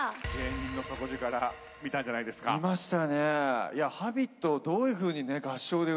見ましたね。